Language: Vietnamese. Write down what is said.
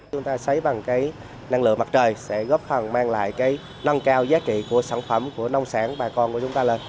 chúng ta xây bằng năng lượng mặt trời sẽ góp phần mang lại năng cao giá trị của sản phẩm của nông sản bà con của chúng ta lên